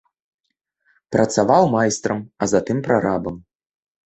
Працаваў майстрам, а затым прарабам.